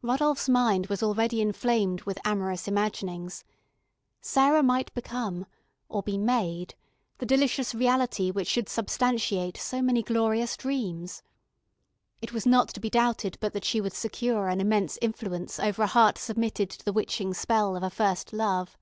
Rodolph's mind was already inflamed with amorous imaginings; Sarah might become, or be made, the delicious reality which should substantiate so many glorious dreams. It was not to be doubted but that she would secure an immense influence over a heart submitted to the witching spell of a first love.